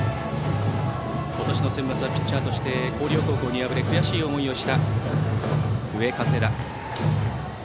今年のセンバツはピッチャーとして広陵高校に敗れ悔しい思いをした上加世田。